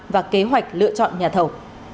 và kế hoạch lựa chọn nhà thầu